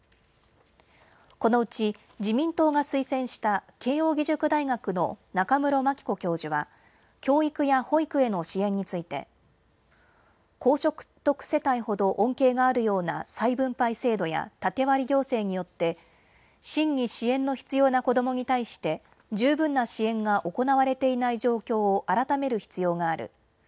このうち自民党が推薦した慶應義塾大学の中室牧子教授は教育や保育への支援について高所得世帯ほど恩恵があるような再分配制度や縦割り行政によって真に支援の必要な子どもに対して十分な支援が行われていない状況を改める必要がある。